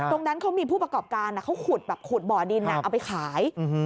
ตรงนั้นเขามีผู้ประกอบการเขาขุดแบบขุดบ่อดินเอาไปขาย